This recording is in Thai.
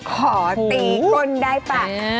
ขอตีก้นได้ป่ะ